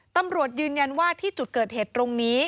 ตำรวจยืนยันว่าที่จุดเกิดเหตุตรงนี้